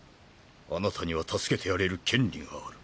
あなたには助けてやれる権利がある。